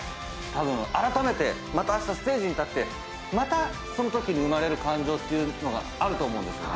あらためてあしたステージに立ってまたそのときに生まれる感情っていうのがあると思うんです。